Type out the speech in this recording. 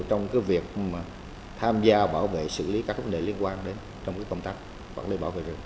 trong việc tham gia bảo vệ xử lý các vấn đề liên quan đến công tác bảo vệ rừng